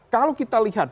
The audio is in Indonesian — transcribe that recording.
kalau kita lihat